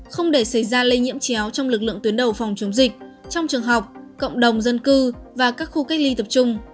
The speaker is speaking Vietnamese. không để xảy ra lây nhiễm chéo trong lực lượng tuyến đầu phòng chống dịch trong trường học cộng đồng dân cư và các khu cách ly tập trung